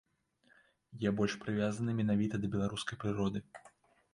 Я больш прывязаны менавіта да беларускай прыроды.